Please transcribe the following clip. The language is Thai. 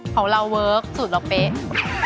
ของเราเวิร์คสูตรเราเป๊ะ